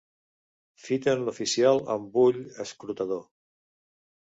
Fiten l'oficiant amb ull escrutador.